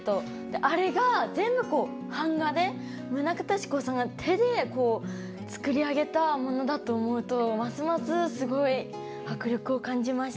あれが全部こう板画で棟方志功さんが手でこう作り上げたものだと思うとますますすごい迫力を感じました。